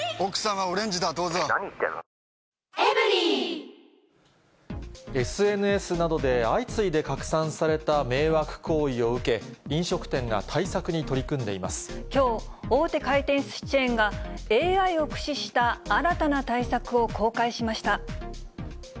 外からかちかちした音がしたＳＮＳなどで相次いで拡散された迷惑行為を受け、きょう、大手回転すしチェーンがＡＩを駆使した新たな対策を公開しました。